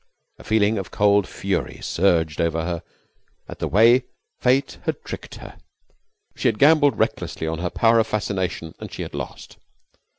A feeling of cold fury surged over her at the way fate had tricked her. She had gambled recklessly on her power of fascination, and she had lost.